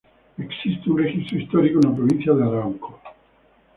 Existe un registro histórico en la provincia de Arauco.